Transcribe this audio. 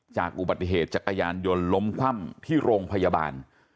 จากอุบัติเหตุจักรยานยนต์ล้มคว่ำที่โรงพยาบาล